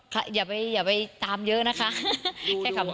ก็อย่าไปอย่าไปตามเยอะนะคะแค่ขำ